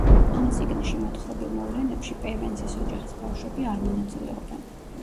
ამ წიგნში მოთხრობილ მოვლენებში პევენსის ოჯახის ბავშვები არ მონაწილეობენ.